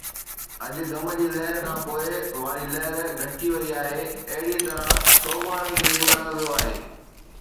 اڄ غم جي لهر کان پوءِ واري لهر گهٽجي وئي آهي، اهڙيءَ طرح سوڳوارن کي ٻڌايو ويو آهي